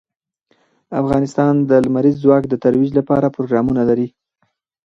افغانستان د لمریز ځواک د ترویج لپاره پروګرامونه لري.